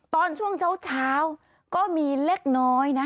ตอนช่วงเช้าก็มีเล็กน้อยนะ